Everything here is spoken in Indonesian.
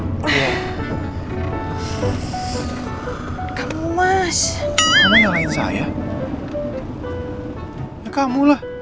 aku masih harus sembunyikan masalah lo andin dari mama